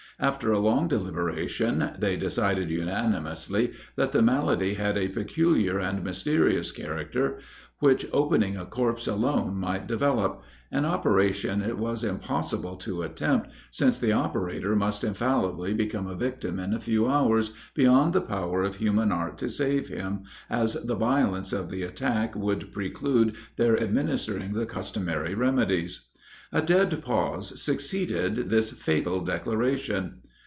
After a long deliberation, they decided unanimously, that the malady had a peculiar and mysterious character, which opening a corpse alone might develope an operation it was impossible to attempt, since the operator must infallibly become a victim in a few hours, beyond the power of human art to save him, as the violence of the attack would preclude their administering the customary remedies. A dead pause succeeded this fatal declaration.